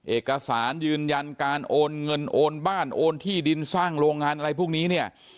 เอกสารยืนยันการโอนเงินโอนบ้านโอนที่ดินสร้างโรงงานอะไรพวกนี้เนี่ย